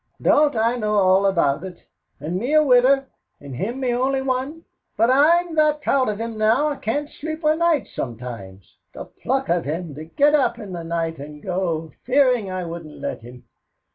"Don't I know all about it, and me a widder and him me only one? But I'm that proud of him now I can't sleep o' nights sometimes. The pluck of him to get up in the night and go, fearin' I wouldn't let him.